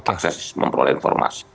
akses memperoleh informasi